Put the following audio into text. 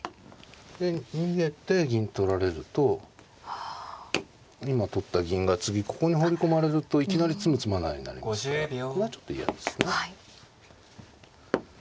で逃げて銀取られると今取った銀が次ここに放り込まれるといきなり詰む詰まないになりますからこれはちょっと嫌ですね。